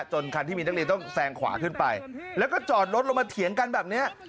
คันที่มีนักเรียนต้องแซงขวาขึ้นไปแล้วก็จอดรถลงมาเถียงกันแบบนี้